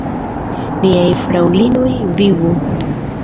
Niaj fraŭlinoj vivu!